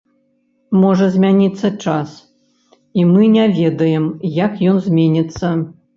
Можа змяніцца час, і мы не ведаем, як ён зменіцца.